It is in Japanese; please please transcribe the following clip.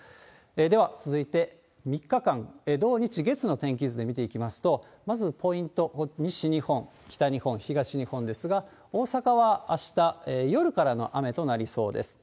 では続いて、３日間、土、日、月の天気図で見ていきますと、まずポイント、西日本、北日本、東日本ですが、大阪はあした夜からの雨となりそうです。